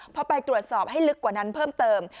พอไปตรวจสอบให้ลึกกว่านั้นเพิ่มเติม